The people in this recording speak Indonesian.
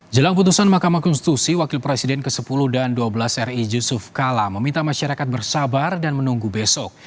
jelang putusan mahkamah konstitusi wakil presiden ke sepuluh dan ke dua belas ri yusuf kala meminta masyarakat bersabar dan menunggu besok